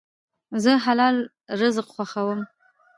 زه حلال رزق خوښوم.